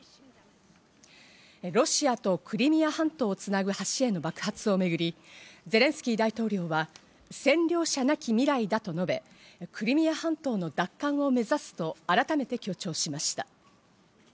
ロシアとクリミア半島をつなぐ橋への爆発をめぐり、ゼレンスキー大統領は占領者なき未来だと述べ、クリミア半島の奪還を目指すと改めて強調しました。